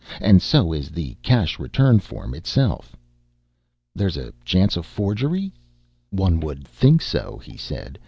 And so is the cash return form itself." "There's a chance it's a forgery?" "One would think so," he said.